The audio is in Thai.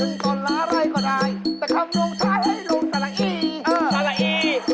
พึงตอนเละไร่ก็ได้แต่คำลูกชายให้ลูกสลากี